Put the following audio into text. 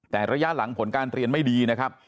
แต่ระยะหลังผลการเรียนไม่ดีนะครับ